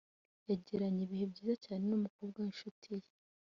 yagiranye ibihe byiza cyane n’umukobwa w’inshuti ye